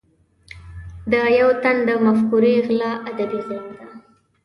د یو تن د مفکورې غلا ادبي غلا ده.